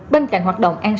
bên cạnh hoạt động an toàn